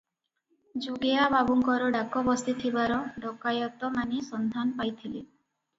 ଯୋଗେୟା ବାବୁଙ୍କର ଡାକ ବସିଥିବାର ଡକାୟତମାନେ ସନ୍ଧାନ ପାଇଥିଲେ ।